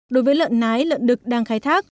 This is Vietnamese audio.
đối với lợn nái lợn đực đang khai thác